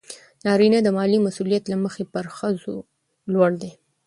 نارینه د مالي مسئولیت له مخې پر ښځو لوړ دی.